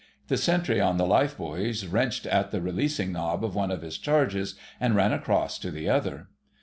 The sentry on the life buoys wrenched at the releasing knob of one of his charges and ran across to the other.